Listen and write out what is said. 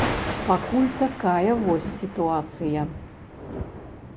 Пакуль такая вось сітуацыя.